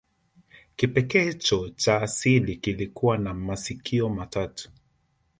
Kipekecho cha asili kilikuwa na masikio matatu